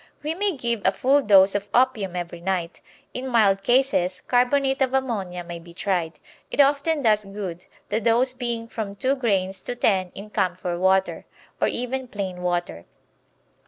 We may give a full dose of opium every night. In mild cases carbonate of ammonia may be tried; it often does good, the dose being from two grains to ten in camphor water, or even plain water.